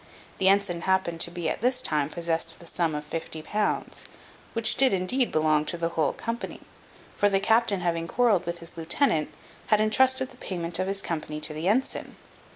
The ensign happened to be at this time possessed of the sum of fifty pounds, which did indeed belong to the whole company; for the captain having quarrelled with his lieutenant, had entrusted the payment of his company to the ensign.